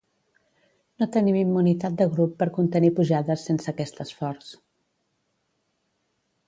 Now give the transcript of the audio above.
No tenim immunitat de grup per contenir pujades sense aquest esforç.